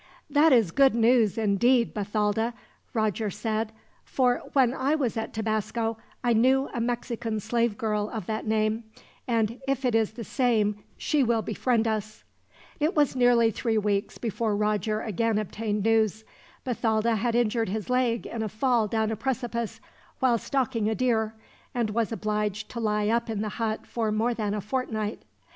"That is good news, indeed, Bathalda," Roger said; "for when I was at Tabasco, I knew a Mexican slave girl of that name, and if it is the same she will befriend us." It was nearly three weeks before Roger again obtained news. Bathalda had injured his leg in a fall down a precipice, while stalking a deer; and was obliged to lie up in the hut for more than a fortnight.